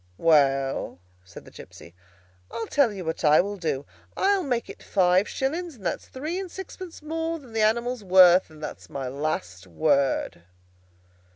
"Well," said the gipsy, "I'll tell you what I will do. I'll make it five shillings, and that's three and sixpence more than the animal's worth. And that's my last word."